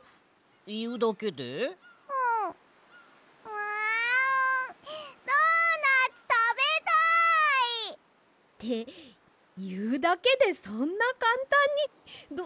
あドーナツたべたい！っていうだけでそんなかんたんにド。